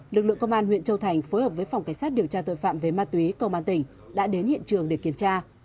lực lượng công an huyện châu thành phối hợp với phòng cảnh sát điều tra tội phạm về ma túy công an tỉnh đã đến hiện trường để kiểm tra